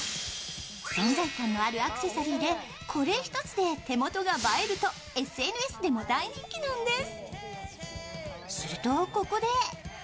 存在感のあるアクセサリーで、これ１つで手元が映えるとＳＮＳでも大人気なんです。